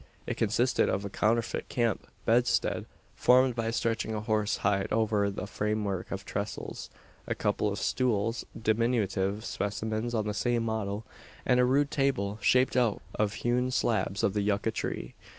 It consisted of a counterfeit camp bedstead, formed by stretching a horse hide over a framework of trestles; a couple of stools diminutive specimens on the same model; and a rude table, shaped out of hewn slabs of the yucca tree.